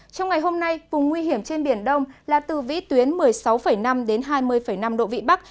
trong ngày hôm nay vùng nguy hiểm trên biển đông là từ vĩ tuyến một mươi sáu năm đến hai mươi năm độ vị bắc